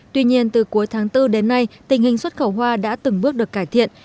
tuy nhiên từ cuối tháng bốn đến nay tình hình xuất khẩu hoa đã từng bước được cải thiện